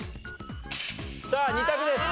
さあ２択です。